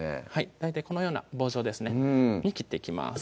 大体このような棒状ですねに切っていきます